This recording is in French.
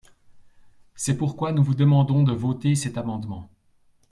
C’est pourquoi nous vous demandons de voter cet amendement.